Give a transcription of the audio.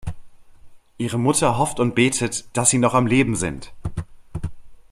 Ihre Mutter hofft und betet, dass sie noch am Leben sind.